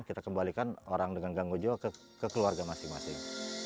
kita kembalikan orang dengan gangguan jiwa ke keluarga masing masing